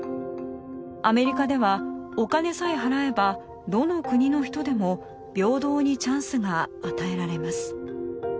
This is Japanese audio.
アメリカではお金さえ払えばどの国の人でも平等にチャンスが与えられます。